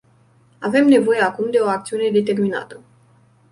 Avem nevoie acum de o acțiune determinată.